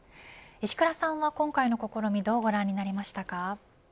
石倉さんは今回の試みどうご覧になりましたか。